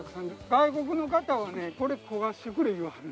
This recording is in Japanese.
外国の方はねこれ漕がしてくれ言わはるんですよ。